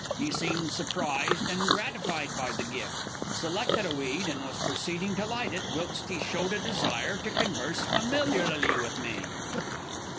He seemed surprised and gratified by the gift, selected a weed, and was proceeding to light it, whilst he showed a desire to converse familiarly with me.